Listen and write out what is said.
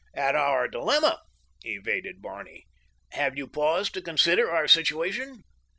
"At our dilemma," evaded Barney. "Have you paused to consider our situation?"